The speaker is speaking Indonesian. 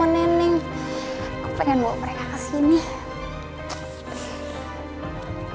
nenek pengen bawa mereka ke sini